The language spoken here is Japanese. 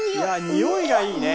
においがいいね！